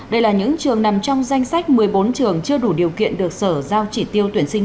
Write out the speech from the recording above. đây là những trường nằm trong danh sách một mươi bốn trường chưa đủ điều kiện được sở giao chỉ tiêu tuyển sinh